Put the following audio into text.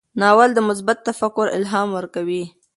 ناول د مثبت تفکر الهام ورکوي.